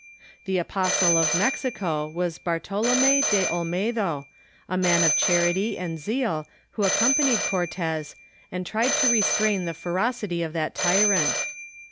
The aj)OStle of Mexico was Bartolome de Olmedo, a man of charity and zeal, who accompa nied Cortez, and tried to restrain the ferocity of that tyrant.